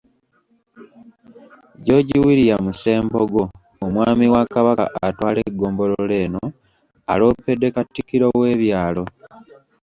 George William Ssembogo omwami wa Kabaka atwala eggomboolola eno, aloopedde Katikkiro w’ebyalo.